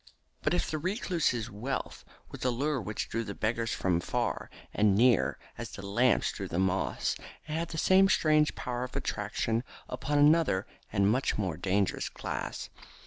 But if the recluse's wealth was a lure which drew the beggars from far and near, as the lamp draws the moths, it had the same power of attraction upon another and much more dangerous class.